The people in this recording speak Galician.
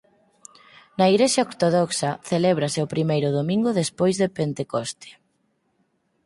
Na igrexa ortodoxa celébrase o primeiro domingo despois de Pentecoste.